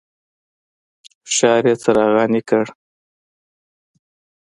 ښار یې څراغاني کړ.